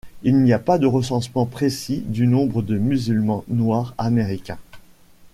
Il n'y a pas de recensement précis du nombre des musulmans noirs américains.